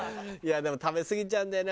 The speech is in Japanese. でも食べすぎちゃうんだよね